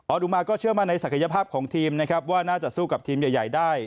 ดูมาก็เชื่อมั่นในศักยภาพของทีมนะครับว่าน่าจะสู้กับทีมใหญ่ได้